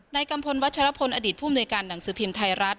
กัมพลวัชรพลอดีตผู้มนุยการหนังสือพิมพ์ไทยรัฐ